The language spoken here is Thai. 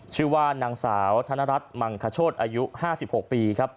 ชื่อว่านางสาวธนรัฐมังคโชธอายุ๕๖ปีครับ